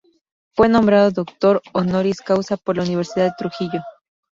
Fue nombrado doctor "honoris causa" por la Universidad de Trujillo.